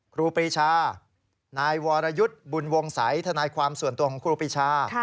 ครูปีชานายวรยุทธ์บุญวงศัยธนายความส่วนตัวของครูปีชา